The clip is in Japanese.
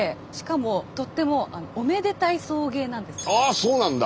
あそうなんだ。